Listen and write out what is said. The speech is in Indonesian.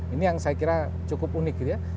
ini yang saya kira cukup unik gitu ya